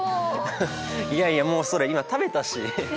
いやいやもうそれ今食べたし！